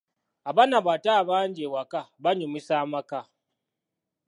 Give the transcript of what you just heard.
Abaana abato abangi ewaka banyumisa amaka.